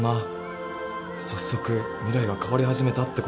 早速未来が変わり始めたってことか。